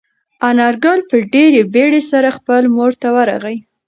انارګل په ډېرې بیړې سره خپلې مور ته ورغی.